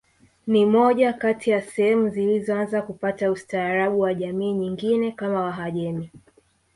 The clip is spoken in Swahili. Ni moja kati ya sehemu zilizoanza kupata ustaarabu wa jamii nyingine kama wahajemi